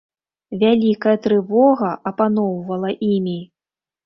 Вялікая трывога апаноўвала імі.